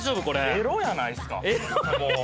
エロやないですかもう。